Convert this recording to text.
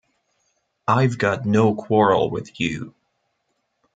I've got no quarrel with you.